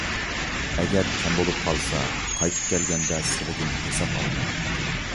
ئەگەر كەم بولۇپ قالسا، قايتىپ كەلگەندە سىلىدىن ھېساب ئالىمەن.